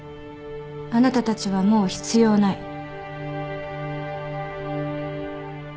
あなたたちはもう必要ない。